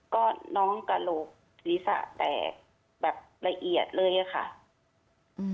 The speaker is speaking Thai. ก็น้องกระโหลกศีรษะแตกแบบละเอียดเลยอะค่ะอืม